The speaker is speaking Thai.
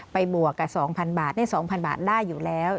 บวกกับ๒๐๐บาทได้๒๐๐บาทได้อยู่แล้ว